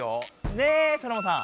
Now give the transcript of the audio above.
ねえソノマさん？